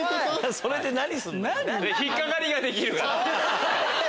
それで何するの？